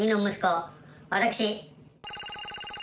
私。